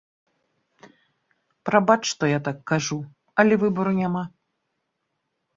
Прабач, што я так кажу, але выбару няма.